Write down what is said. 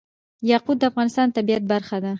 یاقوت د افغانستان د طبیعت برخه ده.